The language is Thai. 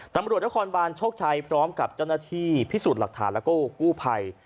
ตำรวจนครบานโชคชัยพร้อมกับเจ้าหน้าที่พิสูจน์หลักฐานแล้วก็กู้ภัย